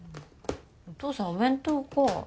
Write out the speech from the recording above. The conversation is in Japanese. お父さんお弁当か。